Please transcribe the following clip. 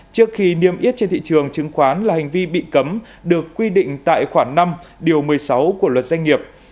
trước khi niêm yết trên thị trường chứng khoán là hành vi bị cấm được quy định tại khoảng năm điều một mươi sáu của luật doanh nghiệp